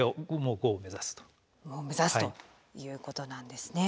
５を目指すということなんですね。